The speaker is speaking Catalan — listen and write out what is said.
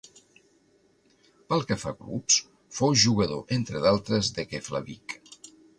Pel que fa a clubs, fou jugador, entre d'altres, de Keflavík.